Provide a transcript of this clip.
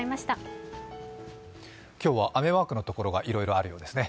今日は雨マークのところがいろいろ、あるようですね。